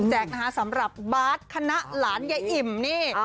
แจกนะฮะสำหรับบาร์ดคณะหลานเย้อิ่มนี่